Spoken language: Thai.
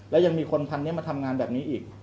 และยังมีคนพันนี้มาทำงานแบบนี้อีก